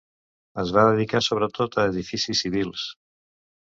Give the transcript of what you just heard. Es va dedicar sobretot a edificis civils.